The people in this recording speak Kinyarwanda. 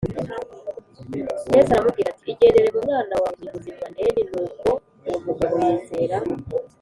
Yesu aramubwira ati igendere m umwana wawe ni muzima n nuko uwo mugabo yizera